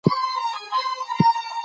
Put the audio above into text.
پر ځان مې افسوس راغلو .